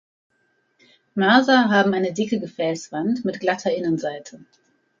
Mörser haben eine dicke Gefäßwand mit glatter Innenseite.